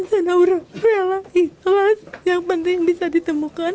saya tahu ini salah satu yang penting bisa ditemukan